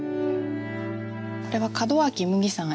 これは門脇麦さん